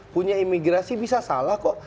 punya imigrasi bisa salah kok